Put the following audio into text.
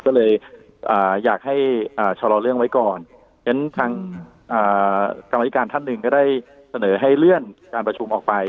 ก็เลยอยากให้ชะลอเรื่องไว้ก่อนฉะนั้นทางกรรมธิการท่านหนึ่งก็ได้เสนอให้เลื่อนการประชุมออกไป